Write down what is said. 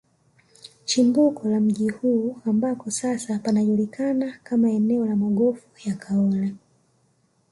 Chimbuko la mji huu ambako sasa panajulikana kama eneo la magofu ya Kaole